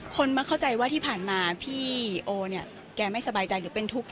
มักเข้าใจว่าที่ผ่านมาพี่โอเนี่ยแกไม่สบายใจหรือเป็นทุกข์